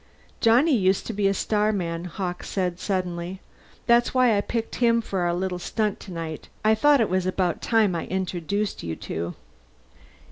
"Johnny used to be a starman," Hawkes said suddenly. "That's why I picked him for our little stunt tonight. I thought it was about time I introduced you two."